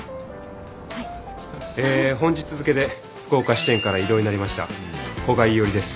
え本日付で福岡支店から異動になりました古賀一織です。